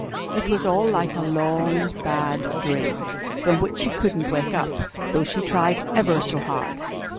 It was all like a long, bad dream, from which she couldn't wake up, though she tried ever so hard.